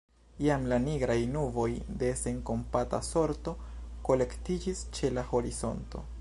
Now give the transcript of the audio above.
Jam la nigraj nuboj de senkompata sorto kolektiĝis ĉe la horizonto.